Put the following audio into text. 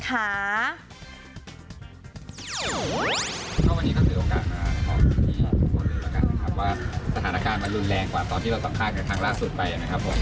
ก็วันนี้คือโอกาสที่ควรเรียบรักกันครับว่าสถานการณ์มันรุนแรงกว่าตอนที่เราสัมภาษณ์กันครั้งล่าสุดไปนะครับผม